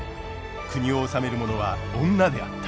国を治める者は女であった。